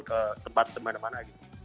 ke tempat tempat mana mana gitu